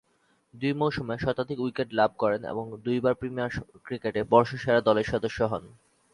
দুই মৌসুমে শতাধিক উইকেট লাভ করেন এবং দুইবার প্রিমিয়ার ক্রিকেটে বর্ষসেরা দলের সদস্য হন।